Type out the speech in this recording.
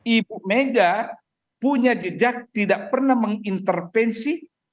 ibu mega punya jejak tidak pernah mengintervensi